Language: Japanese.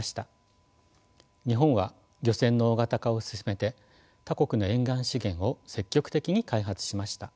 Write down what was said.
日本は漁船の大型化を進めて他国の沿岸資源を積極的に開発しました。